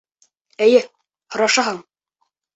Эйе, һорашаһың.